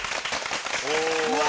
うわ！